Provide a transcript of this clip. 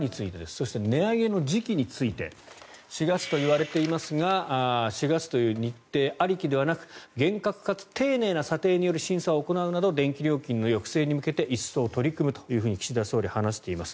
そして値上げの時期について４月といわれていますが４月という日程ありきではなく厳格かつ丁寧な査定による審査を行うなど電気料金の抑制に向けて一層取り組むと岸田総理は話しています。